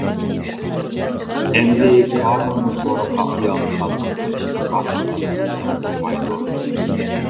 -ئەمدى كامىلمۇ سورۇنغا ئايالىنى ئالماي بېرىشقا ئادەتلەنمىسە بولمايدۇ.